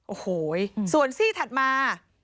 โอ้โหส่วนซี่ถัดมา